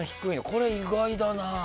これ意外だな。